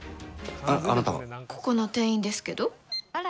ここの店員ですけど。